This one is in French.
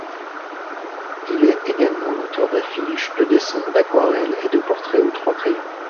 Il est également l’auteur d’affiches, de dessins, d’aquarelles et de portraits aux trois crayons.